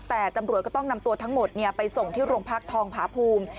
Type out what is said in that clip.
แต่ตำรวจก็ต้องนำตัวทั้งหมดไปส่งที่โรงพักทองผาภูมิ